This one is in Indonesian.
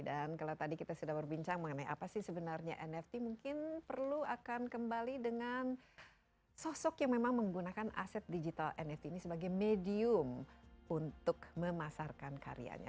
dan kalau tadi kita sudah berbincang mengenai apa sih nft mungkin perlu akan kembali dengan sosok yang memang menggunakan aset digital nft ini sebagai medium untuk memasarkan karyanya